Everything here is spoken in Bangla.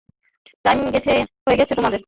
টাইম হয়ে গেছে তোমাদের।